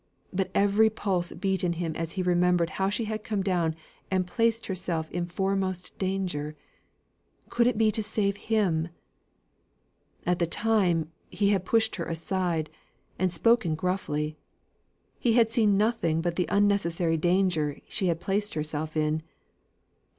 But every pulse beat in him as he remembered how she had come down and placed herself in foremost danger could it be to save him? At the time, he had pushed her aside, and spoken gruffly; he had seen nothing but the unnecessary danger she had placed herself in.